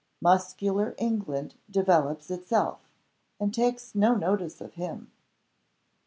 Muscular England develops itself, and takes no notice of him.